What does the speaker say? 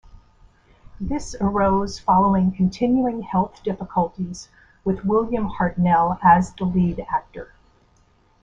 This arose following continuing health difficulties with William Hartnell as the lead actor.